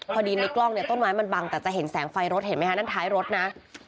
ในกล้องเนี่ยต้นไม้มันบังแต่จะเห็นแสงไฟรถเห็นไหมฮะนั่นท้ายรถนะ